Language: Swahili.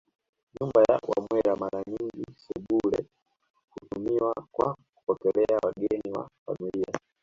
Nyumba ya Wamwera Mara nyingi sebule hutumiwa kwa kupokelea wageni wa familia